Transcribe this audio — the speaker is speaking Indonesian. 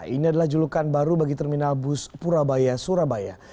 ini adalah julukan baru bagi terminal bus purabaya surabaya